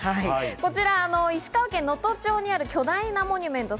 こちら石川県能登町にある巨大なモニュメント。